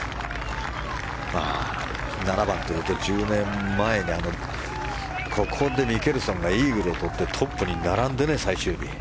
７番というと１０年前にここでミケルソンがイーグルをとって最終日、トップに並んで。